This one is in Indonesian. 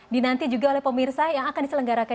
dinanti juga oleh pak mirsa yang akan diselenggarakan